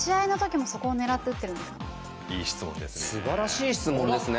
いい質問ですね。